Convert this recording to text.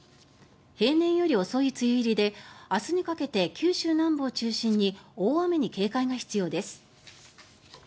平年より遅い梅雨入りで明日にかけて九州南部を中心に大雨に警戒が必要です。